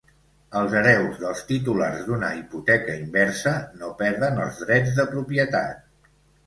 Els hereus dels titulars d'una hipoteca inversa no perden els drets de propietat.